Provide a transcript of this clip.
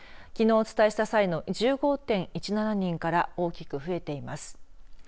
きのうお伝えした際の１５．１７人から大きく増えています。